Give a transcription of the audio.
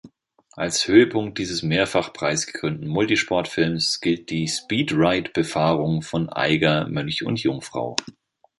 Als Höhepunkt dieses mehrfach preisgekrönten Multisport-Films gilt die Speedride-Befahrung von Eiger, Mönch und Jungfrau.